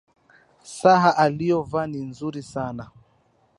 Saa aliyovaa ni nzuri sana